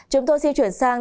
chúng tôi siêu chuyển sang